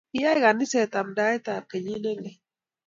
Kiyay kaniset amndaet ab kenyit ne lel